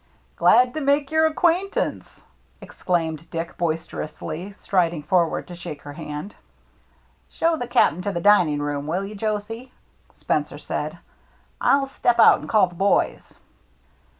"Glad to make your acquaintance," ex claimed Dick, boisterously, striding forward to shake her hand. " Show the Cap'n to the dining room, will you, Josie?" Spencer said. " I'll step out and call the boys."